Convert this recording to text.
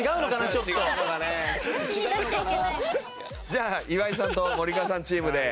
じゃあ岩井さんと森川さんチームで。